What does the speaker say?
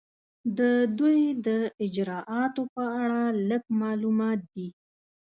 د دوی د اجرااتو په اړه لږ معلومات دي.